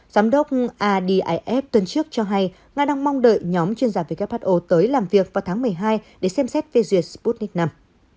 giám đốc adif tuần trước cho hay nga đang mong đợi nhóm chuyên gia who tới làm việc vào tháng một mươi hai để xem xét phê duyệt sputnik v